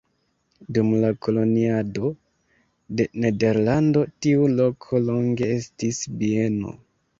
Dum la koloniado de Nederlando tiu loko longe estis bieno.